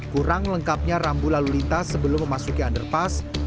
kurang lengkapnya rambu lalu lintas sebelum memasuki underpass